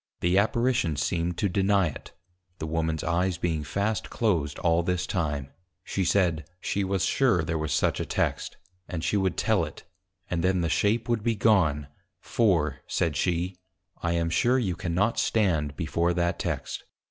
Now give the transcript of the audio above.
The Apparition seemed to deny it; (the Womans Eyes being fast closed all this time) she said, She was sure there was such a Text, and she would tell it; and then the Shape would be gone, for, said she, _I am sure you cannot stand before that Text!